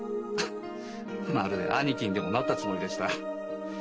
まるで兄貴にでもなったつもりでした。